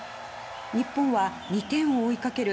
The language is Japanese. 日本は２点を追いかける